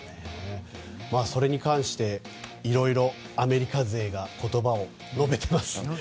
それに関していろいろアメリカ勢が言葉を述べています。